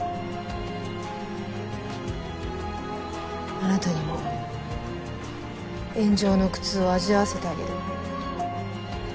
あなたにも炎上の苦痛を味わわせてあげる。